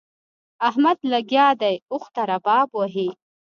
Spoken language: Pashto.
احمد لګيا دی؛ اوښ ته رباب وهي.